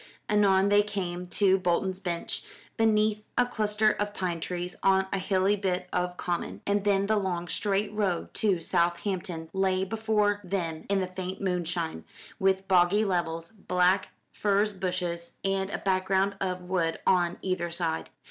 Anon they came to Bolton's Bench, beneath a cluster of pine trees on a hilly bit of common, and then the long straight road to Southampton lay before them in the faint moonshine, with boggy levels, black furze bushes, and a background of wood on either side.